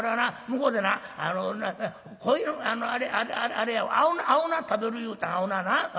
向こうでなあれあれやわ青菜食べる言うて青菜な。